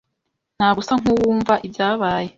Ntabwo usa nkuwumva ibyabaye.